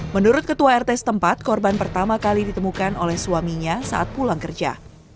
menurut ketua rt setempat korban pertama kali ditemukan oleh suaminya saat pulang kerja